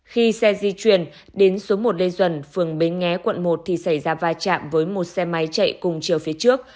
khi xe di chuyển đến số một lê duẩn phường bến nghé quận một thì xảy ra va chạm với một xe máy chạy cùng chiều phía trước